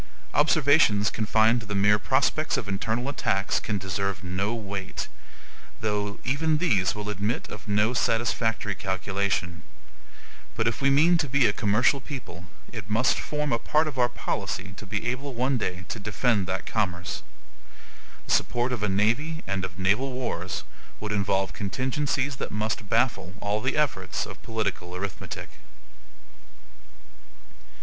Observations confined to the mere prospects of internal attacks can deserve no weight; though even these will admit of no satisfactory calculation: but if we mean to be a commercial people, it must form a part of our policy to be able one day to defend that commerce. The support of a navy and of naval wars would involve contingencies that must baffle all the efforts of political arithmetic.